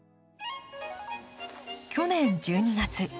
去年１２月。